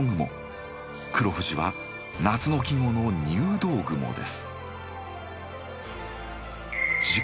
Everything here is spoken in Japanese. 黒富士は夏の季語の入道雲です。